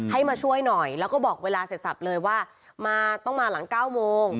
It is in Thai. ให้มาช่วยหน่อยแล้วก็บอกเวลาเสร็จสับเลยว่ามาต้องมาหลัง๙โมง